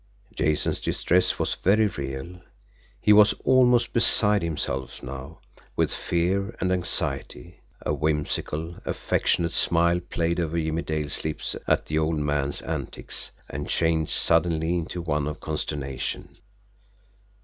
Jason's distress was very real he was almost beside himself now with fear and anxiety. A whimsical, affectionate smile played over Jimmie Dale's lips at the old man's antics and changed suddenly into one of consternation.